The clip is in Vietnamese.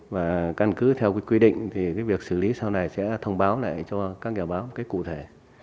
và căn cứ theo quy định việc xử lý sau này sẽ thông báo lại cho các nghiệp báo cụ thể